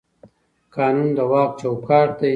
قانون د واک چوکاټ دی